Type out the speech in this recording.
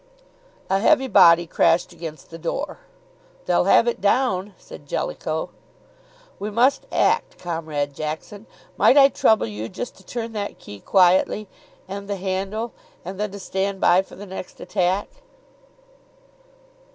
A heavy body crashed against the door. "They'll have it down," said Jellicoe. "We must act, Comrade Jackson! Might I trouble you just to turn that key quietly, and the handle, and then to stand by for the next attack."